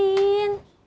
mas pur ngapain